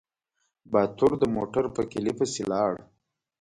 باتور د موټر په کيلي پسې لاړ.